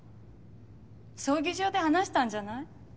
葬儀場で話したんじゃない？